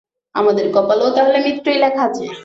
আমাদেরও কপালে তাহলে মৃত্যুই লেখা আছে।